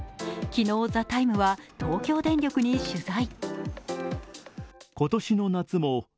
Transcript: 昨日、「ＴＨＥＴＩＭＥ，」は東京電力に取材。